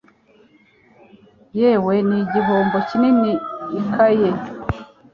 yawe ni igihembo kinini Ikaye